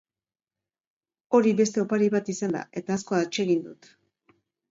Hori beste opari bat izan da eta asko atsegin dut.